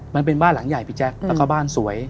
มันเป็นบ้านหลังใหญ่พี่แจ๊คแล้วก็บ้านสวย